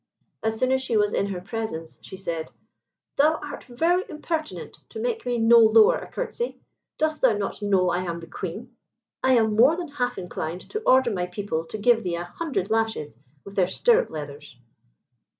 As soon as she was in her presence she said, "Thou art very impertinent to make me no lower a curtsey! Dost thou not know I am the Queen? I am more than half inclined to order my people to give thee an hundred lashes with their stirrup leathers."